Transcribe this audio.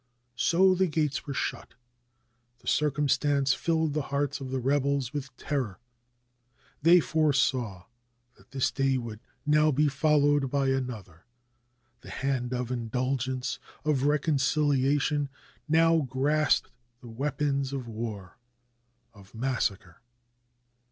So the gates were shut. This circumstance filled the hearts of the rebels with terror. They foresaw that this day would now be followed by another; the hand of in dulgence, of reconciliation, now grasped the weapons of war, of massacre.